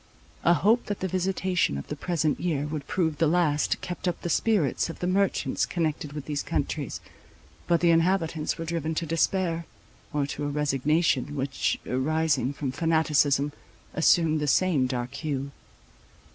A hope that the visitation of the present year would prove the last, kept up the spirits of the merchants connected with these countries; but the inhabitants were driven to despair, or to a resignation which, arising from fanaticism, assumed the same dark hue.